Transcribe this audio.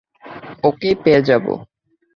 ওকেই পেয়ে যাবো।